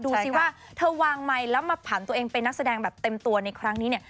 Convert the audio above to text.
ดูสิว่าเธอวางไมค์แล้วมาผันตัวเองเป็นนักแสดงแบบเต็มตัวในครั้งนี้เนี่ย